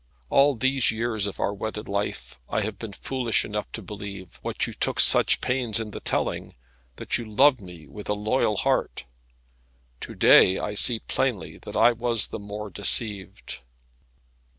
All these years of our wedded life I have been foolish enough to believe, what you took such pains in the telling, that you loved me with a loyal heart. To day I see plainly that I was the more deceived."